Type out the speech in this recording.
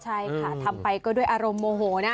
ใช่ค่ะทำไปก็ด้วยอารมณ์โมโหนะ